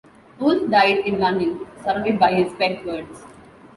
Wolf died in London, surrounded by his pet birds.